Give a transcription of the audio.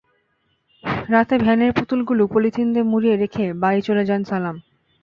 রাতে ভ্যানের পুতুলগুলো পলিথিন দিয়ে মুড়িয়ে রেখে বাড়ি চলে যান সালাম।